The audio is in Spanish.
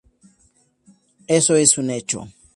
Eso es un hecho".